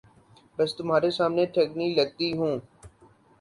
بس تمہارے سامنے ٹھگنی لگتی ہوں۔